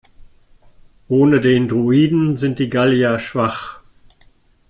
Ohne den Druiden sind die Gallier schwach.